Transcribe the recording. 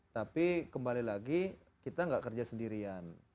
tapi kembali lagi kita tidak kerja sendirian